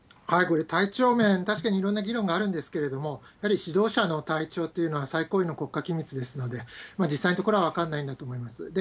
これ、体調面、確かにいろんな議論があるんですけれども、やはり指導者の体調というのは最高位の国家機密ですので、実際のところは分かんないなと思います。